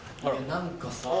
何かさ。